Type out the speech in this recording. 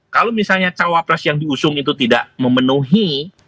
kalau misalnya cawa pres yang diusung itu tidak memenuhi